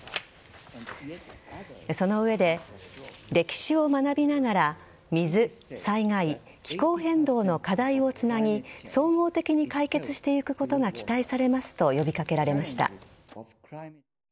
その上で歴史を学びながら水、災害、気候変動の課題をつなぎ総合的に解決していくことが期待されますと呼び掛けられました。